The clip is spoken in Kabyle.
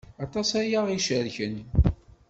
Aṭas ay aɣ-icerken.